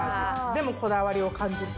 でも、こだわりを感じる。